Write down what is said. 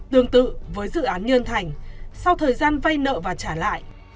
tương tự với dự án nhân thành sau thời gian vay nợ và trả lại